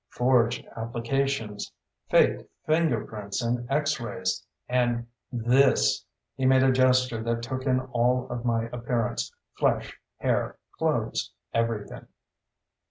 Forged applications. Fake fingerprints and X rays. And this " He made a gesture that took in all of my appearance. Flesh, hair, clothes. Everything.